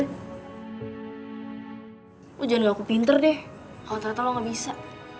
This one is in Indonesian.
aku jangan gak aku pinter deh aku ternyata lo gak bisa